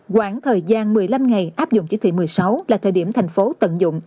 khoảng thời gian một mươi năm ngày áp dụng chỉ thị một mươi sáu là thời điểm thành phố tận dụng